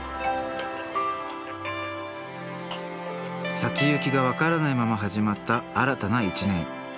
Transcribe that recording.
先行きが分からないまま始まった新たな一年。